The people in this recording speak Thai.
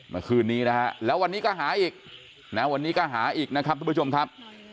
เมื่อคืนนี้นะฮะแล้ววันนี้ก็หาอีกนะวันนี้ก็หาอีกนะครับทุกผู้ชมครับ